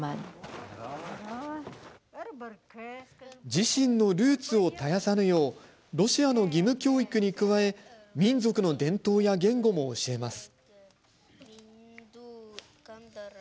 自身のルーツを絶やさぬようロシアの義務教育に加え民族の伝統や言語も教えます。